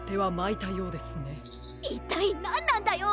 いったいなんなんだよ。